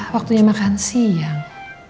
waktunya makan siang